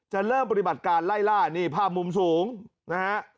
เริ่มปฏิบัติการไล่ล่านี่ภาพมุมสูงนะฮะ